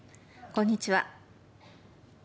こんにちは。